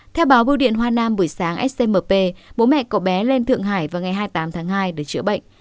theo báo bưu điện hoa nam buổi sáng scmp bố mẹ cậu bé lên thượng hải vào ngày hai mươi tám tháng hai để chữa bệnh